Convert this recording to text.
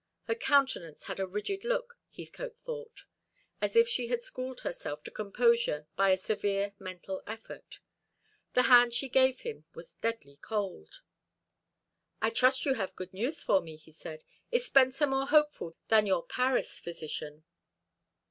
Her countenance had a rigid look, Heathcote thought; as if she had schooled herself to composure by a severe mental effort. The hand she gave him was deadly cold. "I trust you have good news for me," he said. "Is Spencer more hopeful than your Paris physician?"